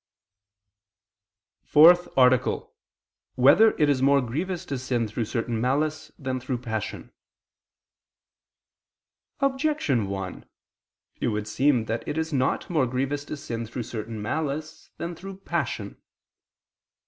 ________________________ FOURTH ARTICLE [I II, Q. 78, Art. 4] Whether It Is More Grievous to Sin Through Certain Malice Than Through Passion? Objection 1: It would seem that it is not more grievous to sin through certain malice than through passion.